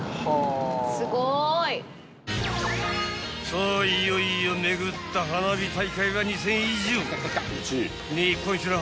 ［さあいよいよ巡った花火大会は２，０００以上］